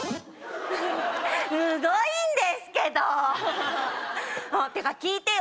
むごいんですけどてか聞いてよ